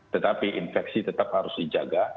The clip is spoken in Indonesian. tetapi infeksi tetap harus dijaga